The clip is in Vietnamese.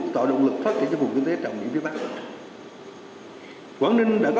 tạo động lực phát triển cho vùng kinh tế trọng điểm phía bắc